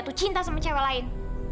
kamu mau cinta sama cewek lain